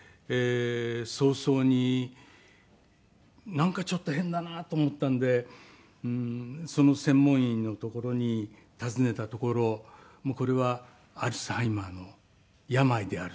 早々になんかちょっと変だなと思ったんで専門医の所に訪ねたところこれはアルツハイマーの病であるという事を。